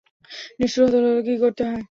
নিষ্ঠুর হতে হলে কী করতে হয়?